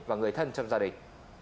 và người thân trong gia đình